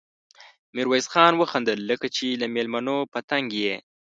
ميرويس خان وخندل: لکه چې له مېلمنو په تنګ يې؟